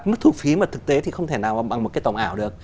nước thu phí mà thực tế thì không thể nào bằng một cái tổng ảo được